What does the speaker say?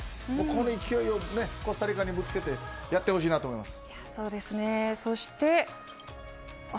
この勢いをコスタリカにぶつけてやってほしいなと思います。